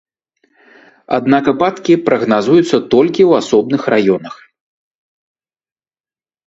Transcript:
Аднак ападкі прагназуюцца толькі ў асобных раёнах.